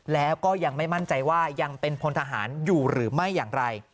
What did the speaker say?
แล้วก็ยังไม่มั่นใจว่ายังเป็นพลทหารอยู่หรือไม่อย่างไร